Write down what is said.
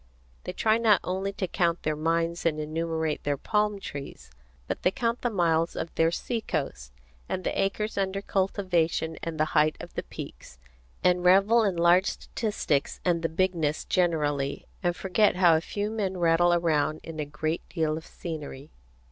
They try not only to count their mines and enumerate their palm trees, but they count the miles of their sea coast, and the acres under cultivation and the height of the peaks, and revel in large statistics and the bigness generally, and forget how a few men rattle around in a great deal of scenery.